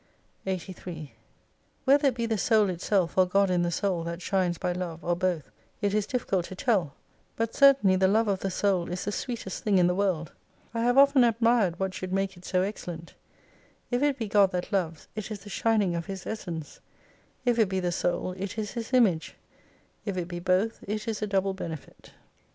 83 Whether it be the Soul itself, or God in the Soul, that shines by Love, or both, it is difficult to tell : but certainly the love of the Soul is the sweetest thing in the world. I have often admired what should make it so excellent. If it be God that loves, it is the shining of His essence ; if it be the Soul, it is His Image : if it be both, it is a double benefit.